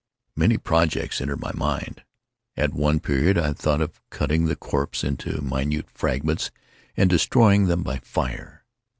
Many projects entered my mind. At one period I thought of cutting the corpse into minute fragments, and destroying them by fire.